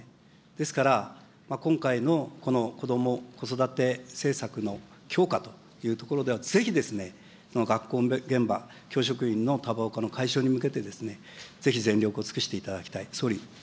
ですから、今回のこのこども・子育て政策の強化というところでは、ぜひ、学校現場、教職員の多忙化の解消に向けて、ぜひ全力を尽くしていただきたい。